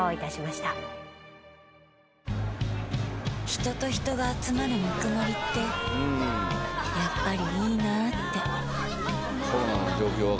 人と人が集まるぬくもりってやっぱりいいなって